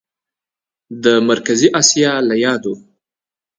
د مرکزي اسیا له یادو